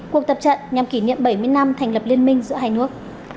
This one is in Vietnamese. cuộc tập trận nhằm kỷ niệm bảy mươi năm thành lập liên minh giữa hai nước